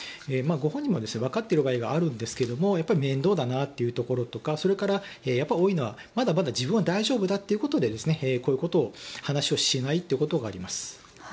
ご本人もわかっている場合があるんですが面倒だなっていうところとかそれから多いのはまだ自分は大丈夫だということでこういうことを話をしないということがあります。